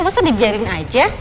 masa dibiarin aja